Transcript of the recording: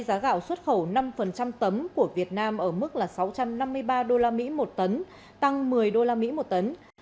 giá gạo xuất khẩu năm tấm của việt nam ở mức là sáu trăm năm mươi ba đô la mỹ một tấn tăng một mươi đô la mỹ một tấn